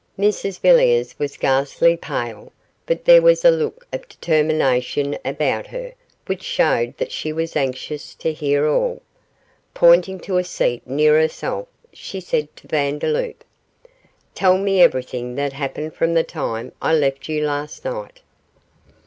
Mrs Villiers was ghastly pale, but there was a look of determination about her which showed that she was anxious to hear all. Pointing to a seat near herself she said to Vandeloup 'Tell me everything that happened from the time I left you last night.